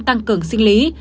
tăng cường sinh lý